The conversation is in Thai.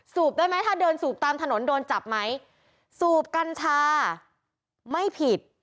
ได้ไหมถ้าเดินสูบตามถนนโดนจับไหมสูบกัญชาไม่ผิด